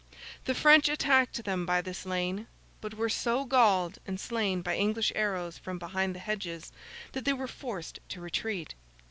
The French attacked them by this lane; but were so galled and slain by English arrows from behind the hedges, that they were forced to retreat.